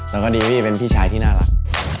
แล้วก็ดีพี่เป็นพี่ชายที่น่ารัก